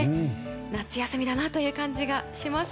夏休みだなという感じがします。